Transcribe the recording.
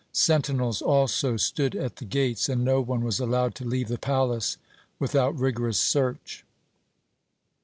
Sentinels also stood at the gates, and no one was allowed to leave the palace without rigorous search.